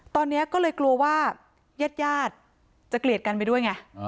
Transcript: ตอนนี้ก็เลยกลัวว่าญาติจะเกลียดกันไปด้วยไง